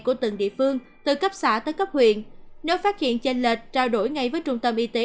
của từng địa phương từ cấp xã tới cấp huyện nếu phát hiện trên lệch trao đổi ngay với trung tâm y tế